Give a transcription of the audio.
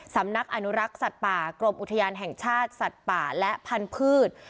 สำนักอนุรักษ์สัตว์ป่ากรมอุทยานแห่งชาติสัตว์ป่าและพันธุ์